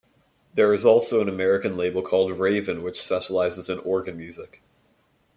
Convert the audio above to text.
There is also an American label called Raven which specializes in organ music.